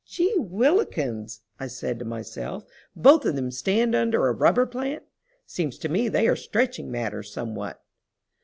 "Geewillikins!" I said to myself. "Both of them stand under a rubber plant! Seems to me they are stretching matters somewhat!"